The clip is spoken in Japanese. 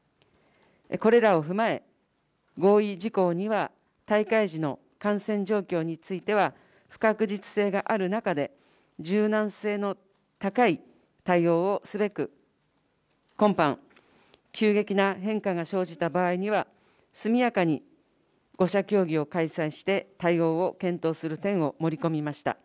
これらの踏まえ、合意事項には大会時の感染状況については、不確実性がある中で、柔軟性の高い対応をすべく、今般、急激な変化が生じた場合には、速やかに５者協議を開催して、対応を検討する点を盛り込みました。